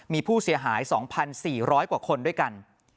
มีผู้เสียหาย๒๔๐๐กว่าคนด้วยกัน